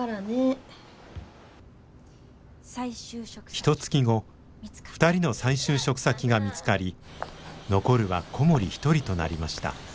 ひとつき後２人の再就職先が見つかり残るは小森一人となりました。